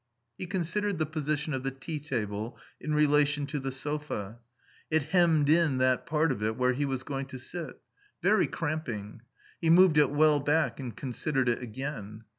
He considered the position of the tea table in relation to the sofa. It hemmed in that part of it where he was going to sit. Very cramping. He moved it well back and considered it again.